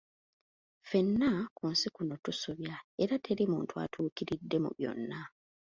"Ffenna ku nsi kuno tusobya, era teri muntu atuukiridde mu byonna."